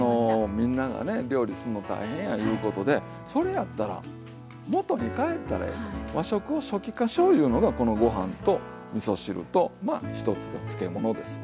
みんながね料理するの大変やいうことでそれやったら元に返ったらええと和食を初期化しよういうのがこのご飯とみそ汁とまあ一つの漬物ですわ。